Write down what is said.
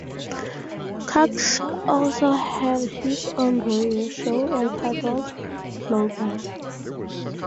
Cox also had his own radio show, entitled 'Global'.